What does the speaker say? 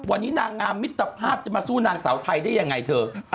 วันนี้นางงามมิตรภาพจะมาสู้นางสาวไทยได้ยังไงเธอ